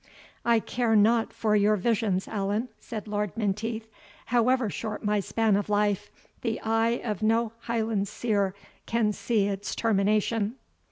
"I care not for your visions, Allan," said Lord Menteith; "however short my span of life, the eye of no Highland seer can see its termination."